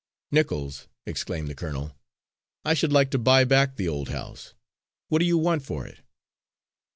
"Nichols," exclaimed the colonel, "I should like to buy back the old house. What do you want for it?"